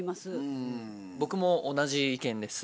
僕も同じ意見です。